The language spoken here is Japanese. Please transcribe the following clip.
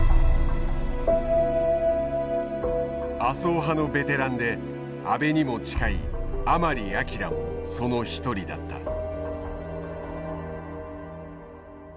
麻生派のベテランで安倍にも近い甘利明もその一人だった。